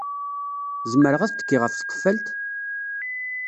Zemreɣ ad tekkiɣ ɣef tqeffalt?